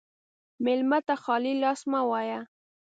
مېلمه ته خالي لاس مه وایه.